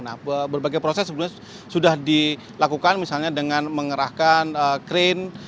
nah berbagai proses sebenarnya sudah dilakukan misalnya dengan mengerahkan krain